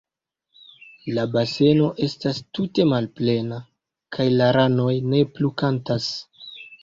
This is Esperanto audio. La baseno estas tute malplena, kaj la ranoj ne plu kantas.